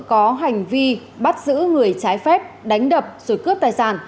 có hành vi bắt giữ người trái phép đánh đập rồi cướp tài sản